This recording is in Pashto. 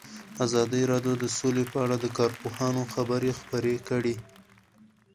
ازادي راډیو د سوله په اړه د کارپوهانو خبرې خپرې کړي.